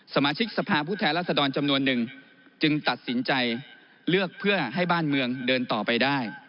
สมาชิกสภาพผู้แทนรัศดรจำนวนหนึ่งจึงตัดสินใจเลือกเพื่อให้บ้านเมืองเดินต่อไปได้